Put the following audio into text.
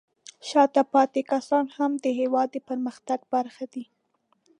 شاته پاتې کسان هم د هېواد د پرمختګ برخه دي.